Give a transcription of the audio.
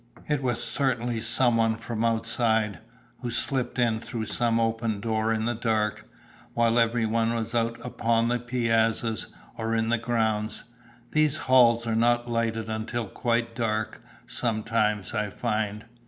"It was certainly some one from outside, who slipped in through some open door in the dark, while every one was out upon the piazzas, or in the grounds. These halls are not lighted until quite dark, sometimes, I find.